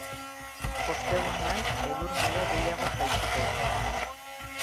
Ostegunean, elur maila gehiago jaitsiko da.